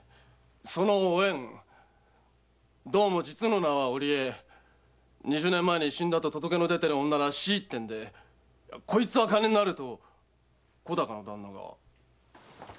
そのおえんどうも実の名は織江二十年前に死んだと届けの出ている女らしいってんでこいつは金になると小高の旦那が。